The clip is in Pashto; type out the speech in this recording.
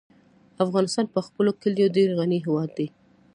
افغانستان په خپلو کلیو ډېر غني هېواد دی.